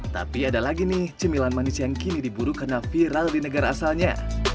tapi ada lagi nih cemilan manis yang kini diburu karena viral di negara asalnya